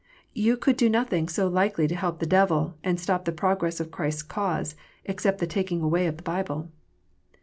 You could do nothing so likely to help the devil and stop the progress of Christ s cause, except the taking away of the Bible.